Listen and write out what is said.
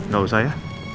gak usah ya